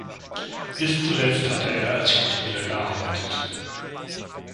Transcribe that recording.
Bis zuletzt hatte er als Schauspieler gearbeitet.